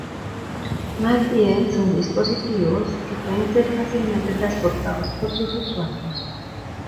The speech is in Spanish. Más bien son dispositivos que pueden ser fácilmente transportados por sus usuarios.